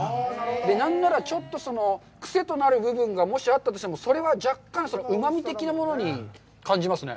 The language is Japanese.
何なら、ちょっと癖となる部分がもしあったとしてもそれは若干、うまみ的なものに感じますね。